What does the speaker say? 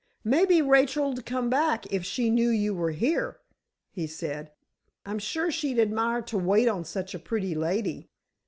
"Maybe Rachel'd come back if she knew you were here," he said. "I'm sure she'd admire to wait on such a pretty lady."